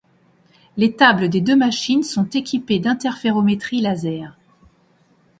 Les tables des deux machines sont équipées d'interférométrie laser.